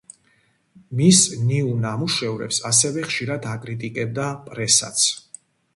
მის ნიუ ნამუშევრებს ასევე ხშირად აკრიტიკებდა პრესაც.